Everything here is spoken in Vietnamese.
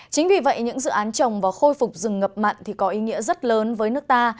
chính vì vậy những dự án trồng và khôi phục rừng ngập mặn thì có ý nghĩa rất lớn với nước ta